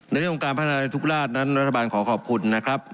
ในช่วงการพัฒนาในทุกราชนั้นรัฐบาลขอขอบคุณนะครับ